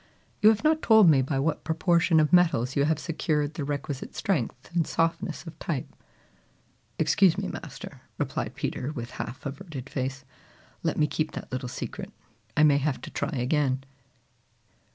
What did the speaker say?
"You have not told me by what proportion of metals you have secured the requisite strength and softness of type." "Excuse me, Master," replied Peter with half averted face, "let me keep that little secret. I may have to try again."